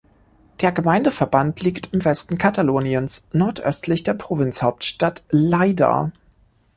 Der Gemeindeverband liegt im Westen Kataloniens, nordöstlich der Provinzhauptstadt Lleida.